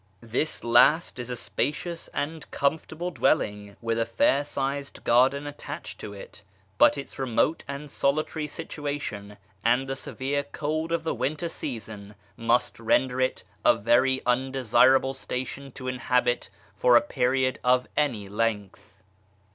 This last is a spacious and comfortable dwelling, with a fair sized garden attached to it ; but its remote and solitary situation, and the severe cold of the winter season, must render it a very un desirable station to inhabit for a period of any length.